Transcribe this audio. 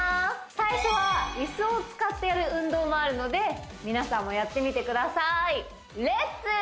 最初は椅子を使ってやる運動もあるので皆さんもやってみてくださいレッツ！